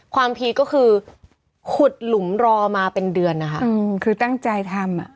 พีคก็คือขุดหลุมรอมาเป็นเดือนนะคะคือตั้งใจทำ